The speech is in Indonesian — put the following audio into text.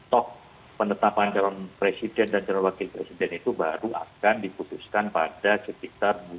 tok penetapan jalan presiden dan jalan wakil presiden itu baru akan diputuskan pada sekitar